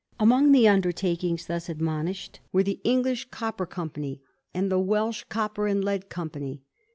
Among the undertakings thus admonished were the English Copper Company and the Welsh Copper and Lead Company.